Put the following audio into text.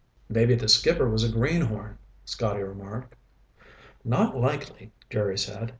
"Maybe the skipper was a greenhorn," Scotty remarked. "Not likely," Jerry said.